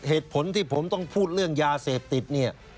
เหตุผลที่ผมต้องพูดเรื่องยาเสพติดเนี่ย